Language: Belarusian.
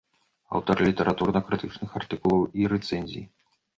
Аўтар літаратурна-крытычных артыкулаў і рэцэнзій.